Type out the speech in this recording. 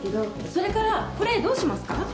それからこれどうしますか？